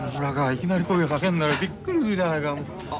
いきなり声をかけんなよびっくりするじゃないか。